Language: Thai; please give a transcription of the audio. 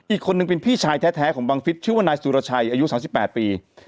อีกคนนึงเป็นพี่ชายแท้ของบังฟิศชื่อว่านายสุรชัยอายุ๓๘ปี